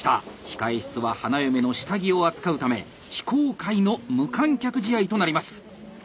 控え室は花嫁の下着を扱うため非公開の無観客試合となります。